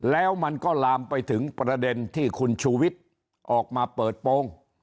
แล้วมันก็ลามไปถึงประเด็นที่คุณชูวิทย์ออกมาเปิดโปรง